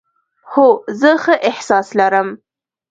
هو، زه ښه احساس لرم